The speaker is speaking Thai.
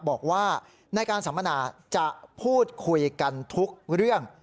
บอกว่าในการสัมมนาจะพูดคุยกันทุกเรื่อง